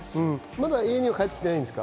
まだ家には帰ってきてないんですか？